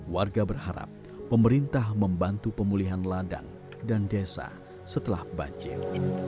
warga berharap pemerintah membantu pemulihan ladang dan desa setelah banjir